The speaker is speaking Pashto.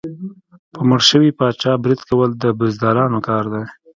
په مړ شوي پاچا برید کول د بزدلانو کار دی.